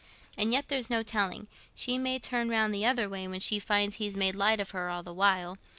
And yet there's no telling—she may turn round the other way, when she finds he's made light of her all the while.